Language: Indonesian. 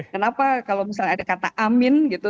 kenapa kalau misalnya ada kata amin gitu